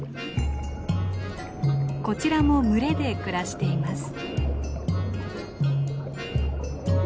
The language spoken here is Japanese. こちらも群れで暮らしています。